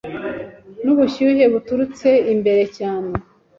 nubushyuhe buturutse imbere cyane